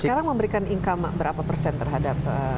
sekarang memberikan income berapa persen terhadap